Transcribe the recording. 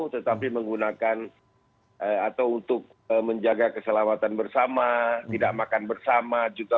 lima puluh lima puluh tetapi menggunakan atau untuk menjaga keselamatan bersama tidak makan bersama juga